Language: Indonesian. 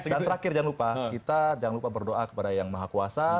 dan terakhir jangan lupa kita jangan lupa berdoa kepada yang maha kuasa